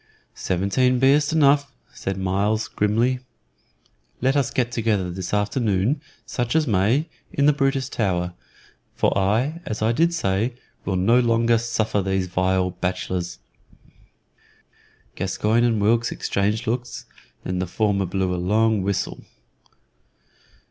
"Seventeen be'st enou," said Myles, grimly. "Let us get together this afternoon, such as may, in the Brutus Tower, for I, as I did say, will no longer suffer these vile bachelors." Gascoyne and Wilkes exchanged looks, and then the former blew a long whistle.